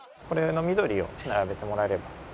これの緑を並べてもらえれば。